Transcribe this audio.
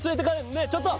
ねえちょっと！